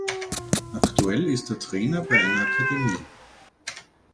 Aktuell ist er Trainer bei einer Akademie.